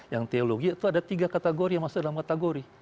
yang teologi itu ada tiga kategori yang masuk dalam kategori